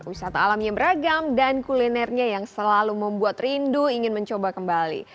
wisata alamnya beragam dan kulinernya yang selalu membuat rindu ingin mencoba kembali